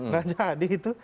nggak jadi itu